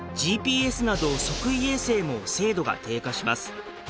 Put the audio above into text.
ＧＰＳなど測位衛星も精度が低下します。